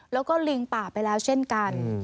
แล้วก็ลิงป่าไปแล้วเช่นกัน